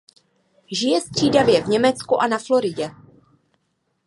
Žije střídavě v Německu a na Floridě.